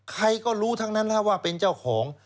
ใครก็รู้ทั้งนั้นแล้วว่าเป็นเจ้าของ